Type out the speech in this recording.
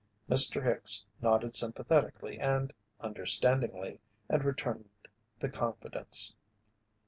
Mr. Hicks nodded sympathetically and understandingly, and returned the confidence.